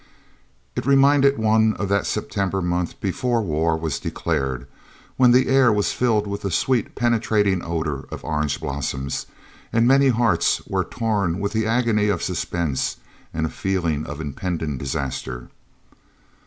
It reminded one of that September month before war was declared, when the air was filled with the sweet, penetrating odour of orange blossoms and many hearts were torn with the agony of suspense and a feeling of impending disaster.